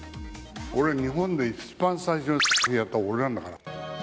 俺、日本で一番最初に×××やったの、俺なんだから。